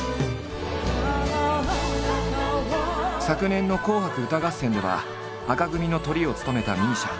昨年の「紅白歌合戦」では紅組のトリを務めたＭＩＳＩＡ。